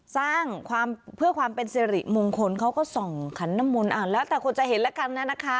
สร้างเพื่อความเป็นเสรีมงคลเขาก็ส่องขันนมลอ่าแล้วแต่คุณจะเห็นแล้วกันนะคะ